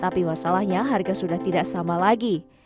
tapi masalahnya harga sudah tidak sama lagi